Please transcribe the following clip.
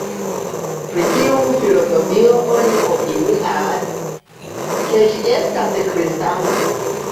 Pri tiu filozofio oni opinias, ke ĝi estas kristana.